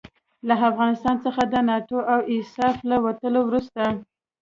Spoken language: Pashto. له افغانستان څخه د ناټو او ایساف له وتلو وروسته.